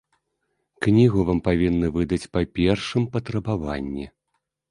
Кнігу вам павінны выдаць па першым патрабаванні.